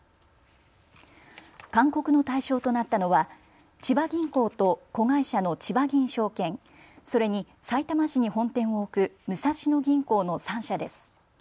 勧告の対象となったのは千葉銀行と子会社のちばぎん証券、それにさいたま市に本店を置く武蔵野銀行の３社です。